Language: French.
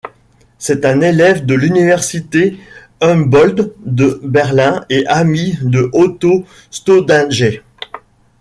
C'est un élève de l'Université Humboldt de Berlin et ami de Otto Staudinger.